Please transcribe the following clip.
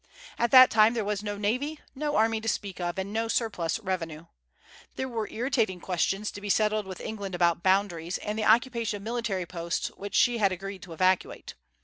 At that time there was no navy, no army to speak of, and no surplus revenue. There were irritating questions to be settled with England about boundaries, and the occupation of military posts which she had agreed to evacuate.